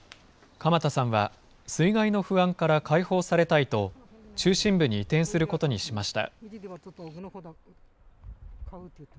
鎌田さんは、水害の不安から解放されたいと、中心部に移転することにしました。